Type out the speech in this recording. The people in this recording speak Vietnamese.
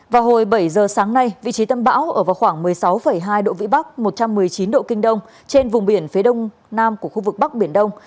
vào hồi bảy giờ sáng nay vị trí tâm bão ở vào khoảng một mươi sáu hai độ vĩ bắc một trăm một mươi chín độ kinh đông trên vùng biển phía đông nam của khu vực bắc biển đông